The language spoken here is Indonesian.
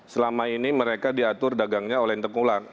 selama ini mereka diatur dagangnya oleh intekulak